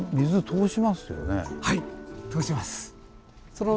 通します。